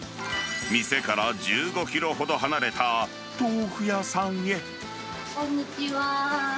店から１５キロほど離れた豆腐屋こんにちは。